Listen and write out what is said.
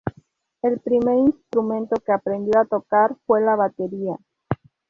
El primer instrumento que aprendió a tocar fue la batería.